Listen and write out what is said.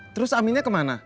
terus aminnya kemana